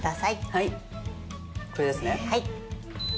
はいこれですね。